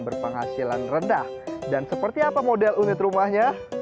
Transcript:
berpenghasilan rendah dan seperti apa model unit rumahnya